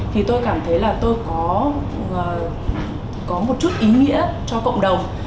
thì tôi cảm thấy là tôi có một chút ý nghĩa cho cộng đồng